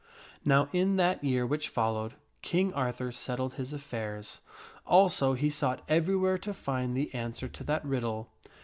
Now in that year which followed, King Arthur settled his affairs. Also he sought everywhere to find the answer to that riddle.